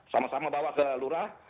sama sama bawa ke lurah